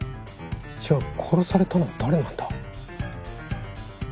じゃあ殺されたのは誰なんだ？